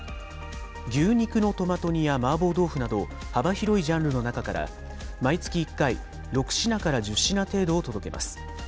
牛肉のトマト煮やマーボー豆腐など、幅広いジャンルの中から、毎月１回、６品から１０品程度を届けます。